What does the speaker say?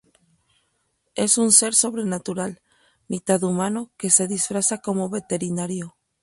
Es un ser sobrenatural, mitad humano que se disfraza como veterinario.